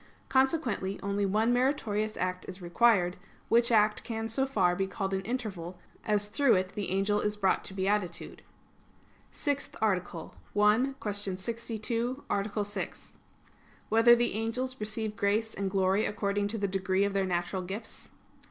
Consequently, only one meritorious act is required; which act can so far be called an interval as through it the angel is brought to beatitude. _______________________ SIXTH ARTICLE [I, Q. 62, Art. 6] Whether the Angels Receive Grace and Glory According to the Degree of Their Natural Gifts?